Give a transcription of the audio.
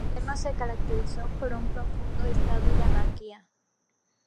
Su gobierno se caracterizó por un profundo estado de anarquía.